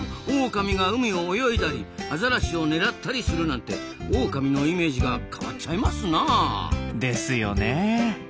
オオカミが海を泳いだりアザラシを狙ったりするなんてオオカミのイメージが変わっちゃいますなあ。ですよね。